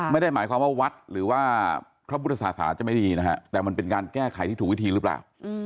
ไม่ได้หมายความว่าวัดหรือว่าพระพุทธศาสนาจะไม่ดีนะฮะแต่มันเป็นการแก้ไขที่ถูกวิธีหรือเปล่า